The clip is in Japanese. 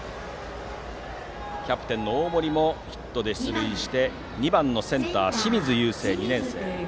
キャプテンの大森もヒットで出塁して２番のセンター２年生の清水友惺。